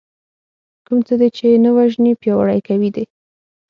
کوم څه دې چې نه وژنې پياوړي کوي دی .